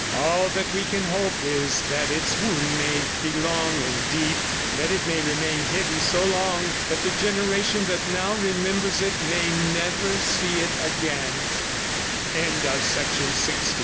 All that we can hope is that its wound may be long and deep, that it may remain hidden so long that the generation that now remembers it may never see